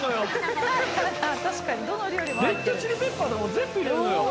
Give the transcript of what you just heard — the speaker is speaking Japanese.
レッドチリペッパーでも全部入れるのよ